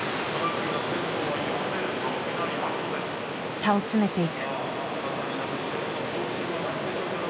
差を詰めていく。